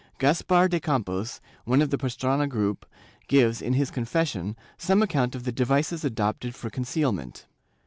Gaspar de Campos, one of the Pastrana group, gives, in his confession, some account of the devices adopted for concealment.